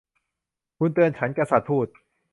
'คุณเตือนฉัน !' กษัตริย์พูด